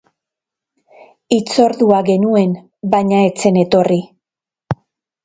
Hitzordua genuen, baina ez zen etorri.